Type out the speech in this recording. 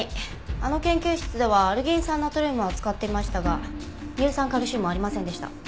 あの研究室ではアルギン酸ナトリウムは使っていましたが乳酸カルシウムはありませんでした。